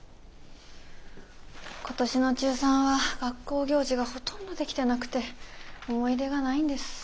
今年の中３は学校行事がほとんどできてなくて思い出がないんです。